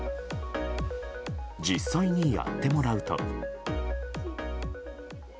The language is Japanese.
実際にやってもらうと。